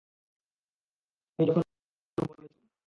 আরে আপনি যখন বলেছেন, সুনীল বাবু।